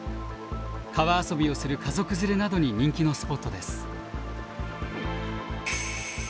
川遊びをする家族連れなどに人気のスポットです。